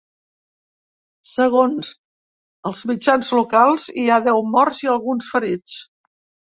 Segons els mitjans locals, hi ha deu morts i alguns ferits.